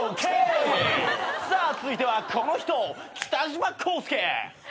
さあ続いてはこの人北島康介。